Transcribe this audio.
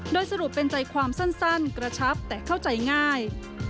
โดยสรุปเป็นใจความสั้นกระชับแต่เข้าใจง่าย